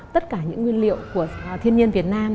tất cả những nguyên liệu của thiên nhiên việt nam